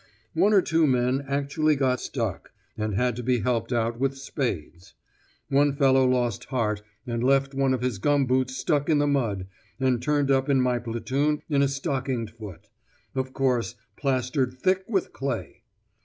One or two men actually got stuck, and had to be helped out with spades; one fellow lost heart and left one of his gum boots stuck in the mud, and turned up in my platoon in a stockinged foot, of course plastered thick with clay!